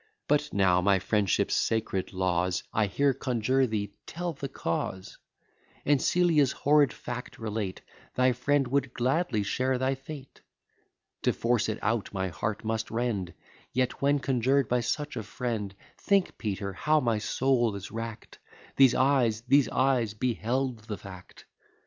But now, by friendship's sacred laws, I here conjure thee, tell the cause; And Celia's horrid fact relate: Thy friend would gladly share thy fate. To force it out, my heart must rend; Yet when conjured by such a friend Think, Peter, how my soul is rack'd! These eyes, these eyes, beheld the fact.